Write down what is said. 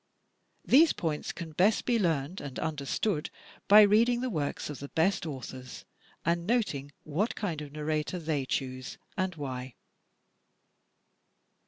These points can best be learned and understood by reading the works of the best authors and noting what kind of narrator they choose and why.